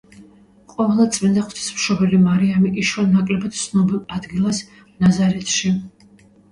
ყოვლადწმინდა ღვთისმშობელი მარიამი იშვა ნაკლებად ცნობილ ადგილას, ნაზარეთში.